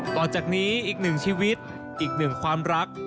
ต่อจากนี้อีกหนึ่งชีวิตอีกหนึ่งความรัก